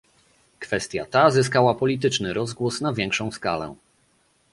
Kwestia ta zyskała polityczny rozgłos na większą skalę